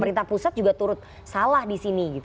pemerintah pusat juga turut salah disini gitu